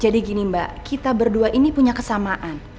jadi gini mbak kita berdua ini punya kesamaan